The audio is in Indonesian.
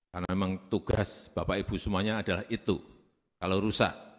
karena memang tugas bapak ibu semuanya adalah itu kalau rusak